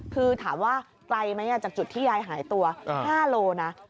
คือถามว่าไกลไหมจากจุดที่ยายหายตัว๕โลนะ